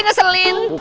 muka saya masih ngeselin